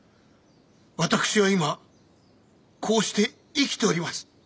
私は今こうして生きております。